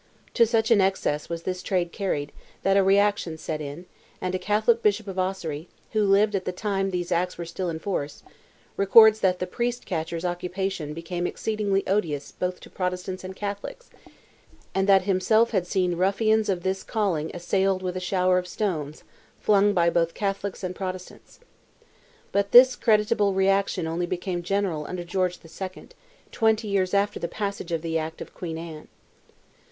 To such an excess was this trade carried, that a reaction set in, and a Catholic bishop of Ossory, who lived at the time these acts were still in force, records that "the priest catchers' occupation became exceedingly odious both to Protestants and Catholics," and that himself had seen "ruffians of this calling assailed with a shower of stones, flung by both Catholics and Protestants." But this creditable reaction only became general under George II., twenty years after the passage of the act of Queen Anne.